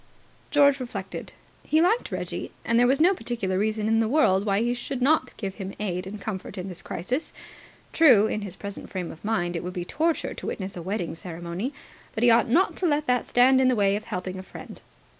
George reflected. He liked Reggie, and there was no particular reason in the world why he should not give him aid and comfort in this crisis. True, in his present frame of mind, it would be torture to witness a wedding ceremony; but he ought not to let that stand in the way of helping a friend.